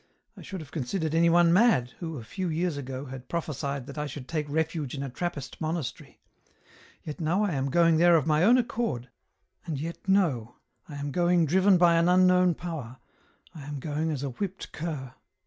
I should have considered anyone mad, who, a few years ago, had prophesied that I should take refuge in a Trappist monastery; yet now I am going there of my own accord, and yet no, I am going driven by an unknown power, I am going as a whipped cur.